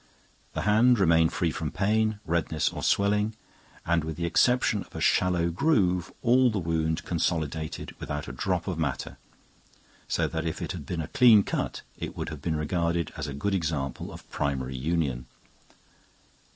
The hand remained free from pain, redness or swelling, and with the exception of a shallow groove, all the wound consolidated without a drop of matter, so that if it had been a clean cut, it would have been regarded as a good example of primary union.